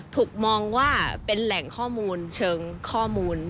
ถูกมองว่าเป็นแหล่งข้อมูลเชิงข้อมูล